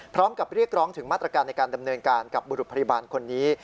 เรียกร้องถึงมาตรการในการดำเนินการกับบุรุษพยาบาลคนนี้